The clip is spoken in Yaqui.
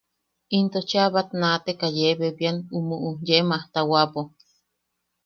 Into cheʼa bat naateka yee bebian umuʼu yee majmajtawapo.